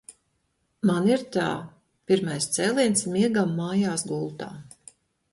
Man ir tā – pirmais cēliens miegam mājās gultā.